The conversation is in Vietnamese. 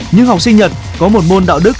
nhưng học sinh nhật có một môn đạo đức